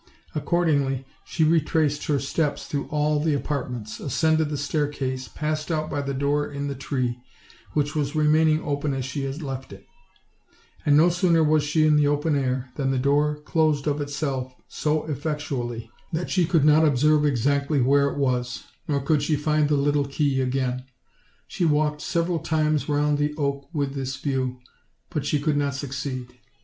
Accordingly, she retraced her steps through all the apartments, ascended the staircase, passed out by the door in the tree, which was remaining open as she had left it; and no sooner was she in the open air than the door closed of itself so effectually that she could not observe exactly where it was, nor could she find the little key again. She walked several times round the oak with this view, but she could not succeed.